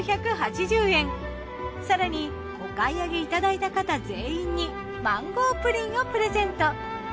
更にお買い上げいただいた方全員にマンゴープリンをプレゼント。